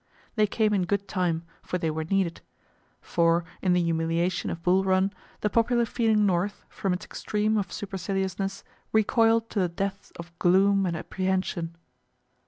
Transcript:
They came in good time, for they were needed. For in the humiliation of Bull Run, the popular feeling north, from its extreme of superciliousness, recoil'd to the depth of gloom and apprehension.